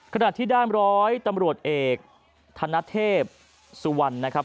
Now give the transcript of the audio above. ขณะที่ด้านร้อยตำรวจเอกธนเทพสุวรรณนะครับ